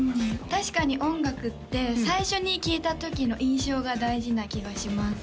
確かに音楽って最初に聴いた時の印象が大事な気がします